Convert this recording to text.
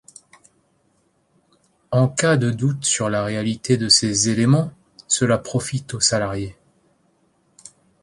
En cas de doute sur la réalité de ces éléments, cela profite au salarié.